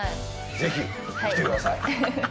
ぜひ来てください。